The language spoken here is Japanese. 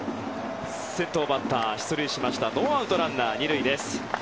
先頭バッター、出塁してノーアウト、ランナー２塁です。